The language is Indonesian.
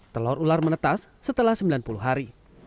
telur ular menetas setelah sembilan puluh hari